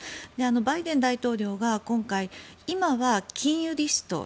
バイデン大統領が今回今は禁輸リスト。